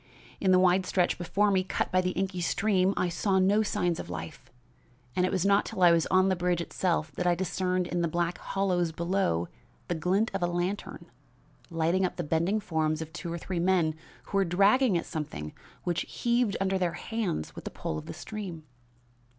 In the wide stretch before me cut by the inky stream, I saw no signs of life, and it was not till I was on the bridge itself that I discerned in the black hollows below the glint of a lantern, lighting up the bending forms of two or three men who were dragging at something which heaved under their hands with the pull of the stream.